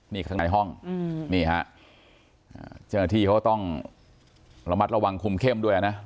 นี่ข้างในห้องนี่ฮะเจ้าหน้าที่เขาก็ต้องระมัดระวังคุมเข้มด้วยนะ